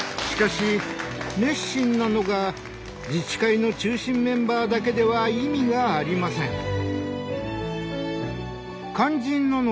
しかし熱心なのが自治会の中心メンバーだけでは意味がありません。